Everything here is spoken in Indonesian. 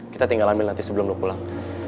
kita tinggal ambil nanti sebelum lo pulang